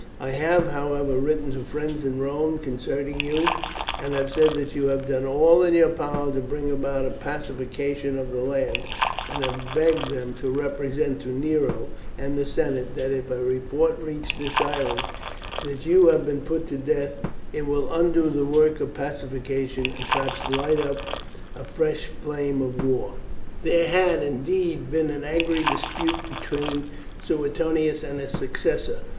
I have, however, written to friends in Rome concerning you, and have said that you have done all in your power to bring about a pacification of the land, and have begged them to represent to Nero and the senate that if a report reach this island that you have been put to death, it will undo the work of pacification, and perhaps light up a fresh flame of war." There had, indeed, been an angry dispute between Suetonius and his successor.